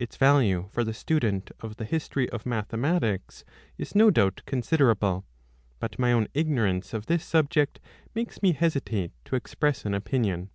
Its value for the student of the History of Mathematics is no doubt considerable : but my own ignorance of this subject makes me hesitate to express an opinion.